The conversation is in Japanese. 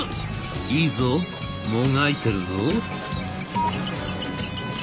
「いいぞもがいてるぞ」。